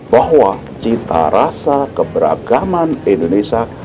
bahwa cita rasa keberagaman indonesia